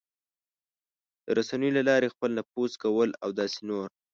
د رسنیو له لارې خپل نفوذ کول او داسې نور...